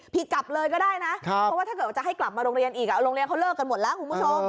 กลับเลยก็ได้นะเพราะว่าถ้าเกิดว่าจะให้กลับมาโรงเรียนอีกโรงเรียนเขาเลิกกันหมดแล้วคุณผู้ชม